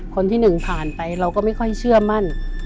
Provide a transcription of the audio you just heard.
คนที่หนึ่งผ่านไปเราก็ไม่ค่อยเชื่อมั่น